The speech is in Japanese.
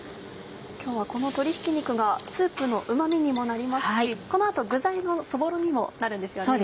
今日はこの鶏ひき肉がスープのうま味にもなりますしこの後具材のそぼろにもなるんですよね。